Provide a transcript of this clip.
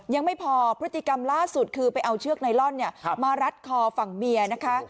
ยังไม่พอพฤติกรรมล่าสุดคือไปเอาเชือกไนลอนมารัดคอฝั่งเมียนะคะ